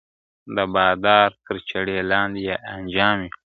د بادار تر چړې لاندي یې انجام وي ..